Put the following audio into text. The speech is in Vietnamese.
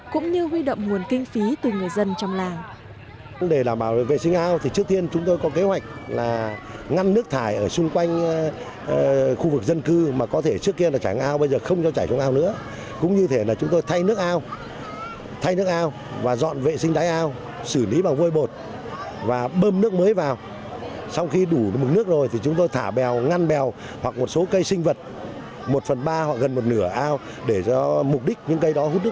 cũng như huy động nguồn kinh phí từ người dân trong làng